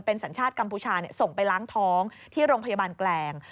เป็นสัญชาติกัมพูชาส่งไปล้างท้องที่โรงพยาบาลแกลง